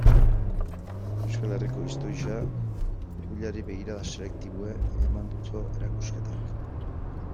Euskal Herriko historia hurbilari begirada selektiboa eman dio erakusketak.